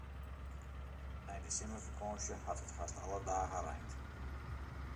Nei de simmerfakânsje hat it hast alle dagen reind.